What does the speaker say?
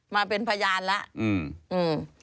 มาเป็นพยานแล้วอืม